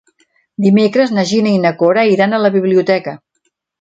Dimecres na Gina i na Cora iran a la biblioteca.